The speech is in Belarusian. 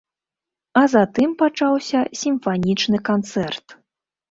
А затым пачаўся сімфанічны канцэрт.